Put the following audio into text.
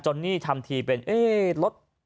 นี่ทำทีเป็นเอ๊ะรถ